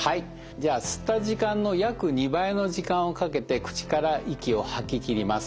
じゃあ吸った時間の約２倍の時間をかけて口から息を吐き切ります。